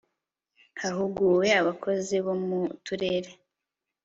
hahuguwe abakozi bo mu turere